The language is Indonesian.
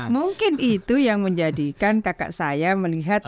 mungkin itu yang menjadikan kakak saya melihat